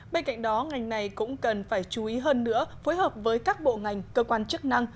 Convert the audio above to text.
bên cạnh đó ngành này cũng cần phải chú ý hơn nữa phối hợp với các bộ ngành cơ quan chức năng